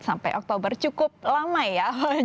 sampai oktober cukup lama ya